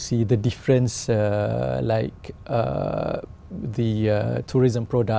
vì vậy điều quan trọng nhất là